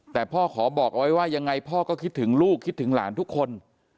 แต่พ่อขอบอกเอาไว้ว่ายังไงพ่อก็คิดถึงลูกคิดถึงหลานทุกคน